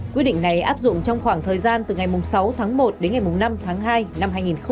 quyết định này áp dụng trong khoảng thời gian từ ngày sáu tháng một đến ngày năm tháng hai năm sau